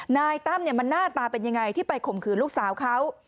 นายตั้มมันหน้าตาเป็นยังไงที่ไปข่มขืนลูกสาวเขา